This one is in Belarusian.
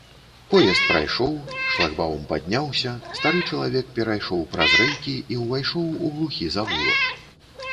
Поезд прайшоў, шлагбаум падняўся, стары чалавек перайшоў праз рэйкі і ўвайшоў у глухі завулак.